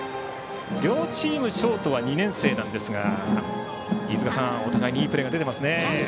両チームショートは２年生なんですが飯塚さん、お互いにいいプレーが出ていますね。